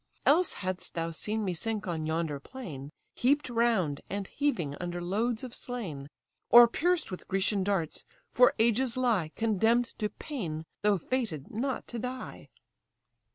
Else hadst thou seen me sink on yonder plain, Heap'd round, and heaving under loads of slain! Or pierced with Grecian darts, for ages lie, Condemn'd to pain, though fated not to die."